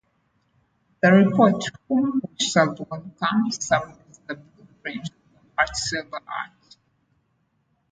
The report, "Whom We Shall Welcome", served as the blueprint for the Hart-Celler Act.